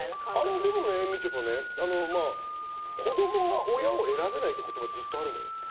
でもね、みちょぱ、子供は親を選べないって言葉はずっとあるのよ。